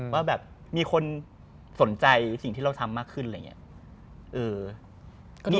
ว่าแบบมีคนสนใจสิ่งที่เราทำมากขึ้นอะไรอย่างนี้